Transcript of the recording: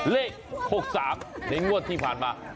เลข๖๓ในงวดที่ผ่านมา